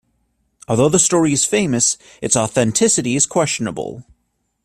Although the story is famous, its authenticity is questionable.